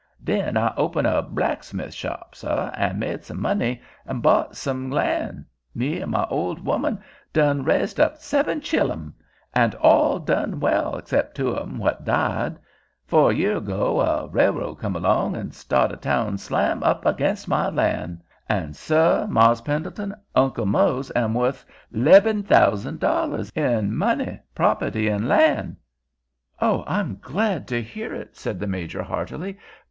"Den I open a blacksmith shop, suh, and made some money and bought some lan'. Me and my old 'oman done raised up seb'm chillun, and all doin' well 'cept two of 'em what died. Fo' year ago a railroad come along and staht a town slam ag'inst my lan', and, suh, Mars' Pendleton, Uncle Mose am worth leb'm thousand dollars in money, property, and lan'." "I'm glad to hear it," said the Major heartily.